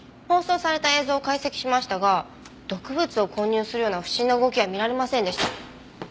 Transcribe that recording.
放送された映像を解析しましたが毒物を混入するような不審な動きは見られませんでした。